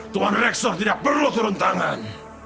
tuan rektor tidak perlu turun tangan